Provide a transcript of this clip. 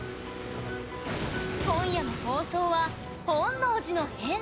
今夜の放送は「本能寺の変」。